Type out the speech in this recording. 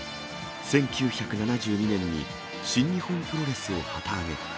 １９７２年に新日本プロレスを旗揚げ。